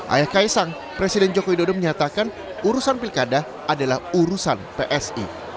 ayah kaisang presiden jokowi dodo menyatakan urusan pilkada adalah urusan psi